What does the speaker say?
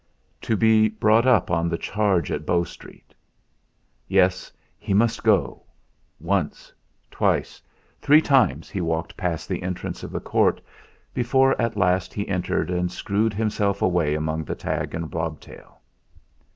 To be brought up on the charge at Bow Street. Yes! He must go. Once, twice, three times he walked past the entrance of the court before at last he entered and screwed himself away among the tag and bobtail.